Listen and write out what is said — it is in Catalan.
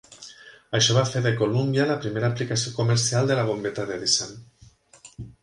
Això va fer de "Columbia" la primera aplicació comercial de la bombeta d'Edison.